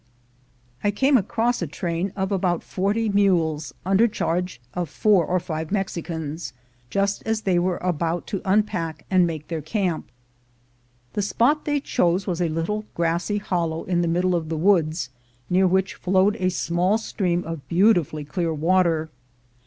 I came across a train of about forty mules, under charge of four or five Mexicans, just as they were about to unpack, and make their camp. The spot they chose was a little grassy hollow in the middle of the woods, near which flowed a small stream of beauti fully clear water.